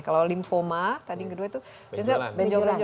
kalau lymphoma tadi yang kedua itu benjolan